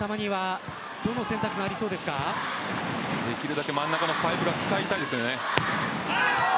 できるだけ真ん中のパイプが使いたいですよね。